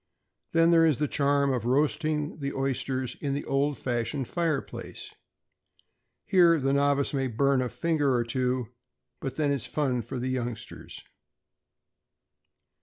Then there is the charm of roasting the oysters in the old fashioned fire place. Here the novice may burn a finger or two, but then it's fun for the youngsters.